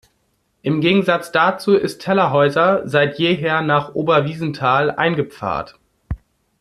Im Gegensatz dazu ist Tellerhäuser seit jeher nach Oberwiesenthal eingepfarrt.